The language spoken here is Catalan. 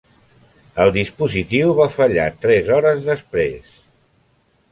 El dispositiu va fallar tres hores després.